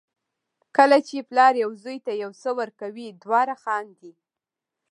کله چې پلار یو زوی ته یو څه ورکوي دواړه خاندي.